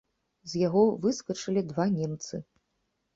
З яго выскачылі два немцы.